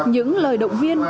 những lời động viên